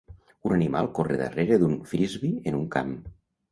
Un animal corre darrere d'un Frisbee en un camp.